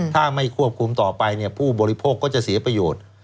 ถ้าไม่ควบคุมต่อไปผู้บริโภคก็จะเสียประโยชน์